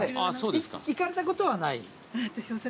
行かれたことはない？